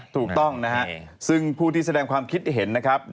ถูกต้องนะฮะซึ่งผู้ที่แสดงความคิดเห็นนะครับ